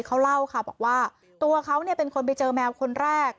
เขาเล่าค่ะบอกว่าตัวเขาเป็นคนไปเจอแมวคนแรก